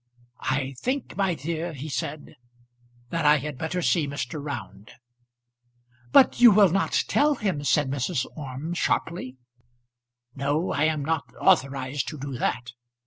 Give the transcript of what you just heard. "I think, my dear," he said, "that I had better see Mr. Round." "But you will not tell him?" said Mrs. Orme, sharply. "No; I am not authorised to do that."